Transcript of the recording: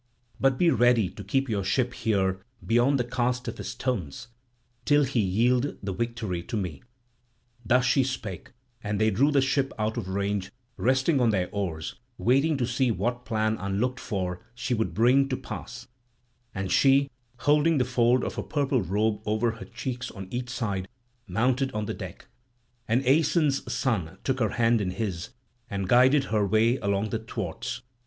But be ready to keep your ship here beyond the cast of his stones, till he yield the victory to me." Thus she spake; and they drew the ship out of range, resting on their oars, waiting to see what plan unlooked for she would bring to pass; and she, holding the fold of her purple robe over her cheeks on each side, mounted on the deck; and Aeson's son took her hand in his and guided her way along the thwarts.